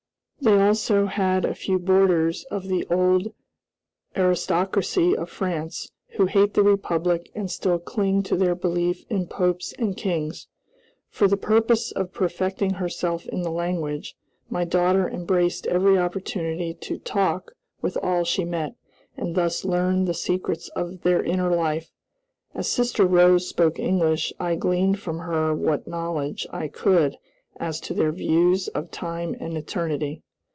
They also had a few boarders of the old aristocracy of France, who hate the Republic and still cling to their belief in Popes and Kings. For the purpose of perfecting herself in the language, my daughter embraced every opportunity to talk with all she met, and thus learned the secrets of their inner life. As Sister Rose spoke English, I gleaned from her what knowledge I could as to their views of time and eternity.